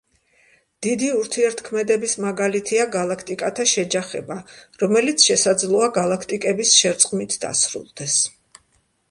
დიდი ურთიერთქმედების მაგალითია გალაქტიკათა შეჯახება, რომელიც შესაძლოა გალაქტიკების შერწყმით დასრულდეს.